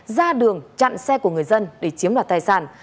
ra đường chặn xe của người dân để chiếm đoạt tài sản